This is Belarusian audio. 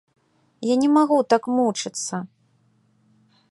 Я не магу так мучыцца!